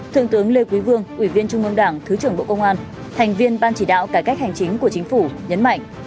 thượng tướng lê quý vương ủy viên trung ương đảng thứ trưởng bộ công an thành viên ban chỉ đạo cải cách hành chính của chính phủ nhấn mạnh